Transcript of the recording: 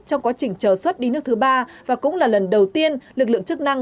trong quá trình chờ xuất đi nước thứ ba và cũng là lần đầu tiên lực lượng chức năng